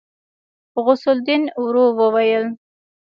غوث الدين ورو وويل.